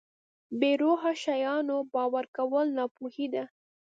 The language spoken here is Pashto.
په بې روحه شیانو باور کول ناپوهي ده.